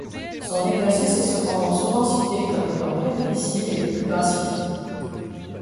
Son exercice est cependant souvent cité comme étant très difficile et des plus gracieux.